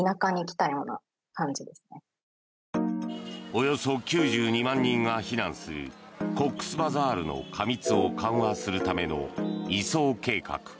およそ９２万人が避難するコックスバザールの過密を緩和するための移送計画。